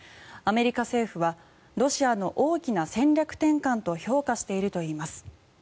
アメリカ政府はロシアの大きな戦略転換と評価しているといいます。